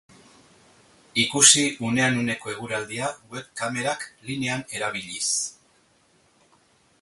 Ikusi unean uneko eguraldia web-kamerak linean erabiliz.